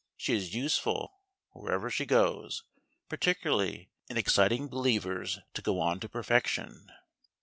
She is useful wheresoever she goes, particularly in exciting Believers to go on to perfection.